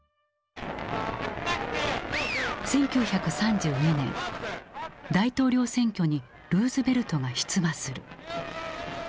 １９３２年大統領選挙にルーズベルトが出馬する。